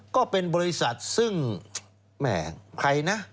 ก็เป็นบริษัทซึ่งแหมใครนะ